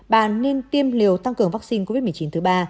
bà nên tiêm liều tăng cường vaccine covid một mươi chín thứ ba